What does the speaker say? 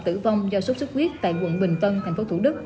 tử vong do sốt sốt huyết tại quận bình tân tp thủ đức